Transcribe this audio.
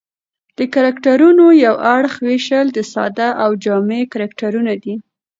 د کرکټرونو یو اړخ وېشل د ساده او جامع کرکټرونه دي.